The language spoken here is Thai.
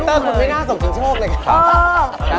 บ๊วยเติ๊กคุณไว้หน้าสมสิงโชคเลยครับ